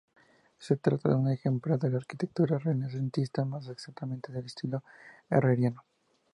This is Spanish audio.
Se trata de un ejemplar de la arquitectura renacentista, más exactamente de estilo herreriano.